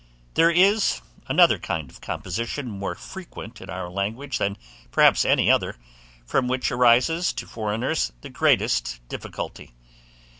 There is another kind of composition more frequent in our language than perhaps in any other, from which arises to foreigners the greatest difficulty.